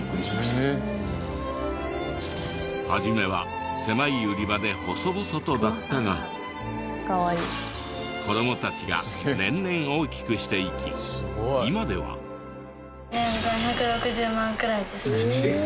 初めは狭い売り場で細々とだったが子どもたちが年々大きくしていき今では。えっ？